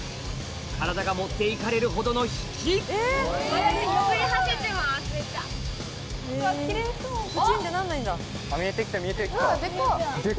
体が持っていかれるほどの引きデカっ。